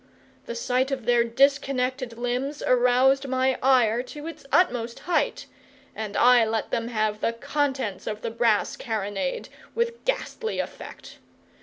The sight of their disconnected limbs aroused my ire to its utmost height, and I let them have the contents of the brass carronade, with ghastly effect.